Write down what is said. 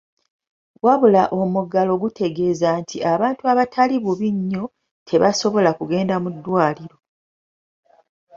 Wabula omuggalo gutegeeza nti abantu abataali bubi nnyo tebaasobola kugenda mu ddwaliro.